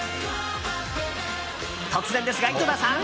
突然ですが、井戸田さん